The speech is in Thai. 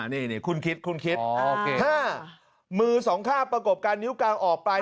อ๋อนี่นี่คุณคิดคุณคิดอ๋อโอเคห้ามือสองค่าประกบการนิ้วกลางออกไป